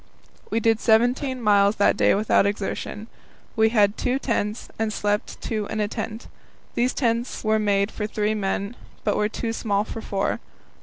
We did seventeen miles that day without exertion. We had two tents, and slept two in a tent. These tents were made for three men, but were too small for four.